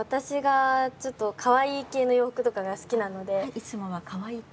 いつもはかわいい系。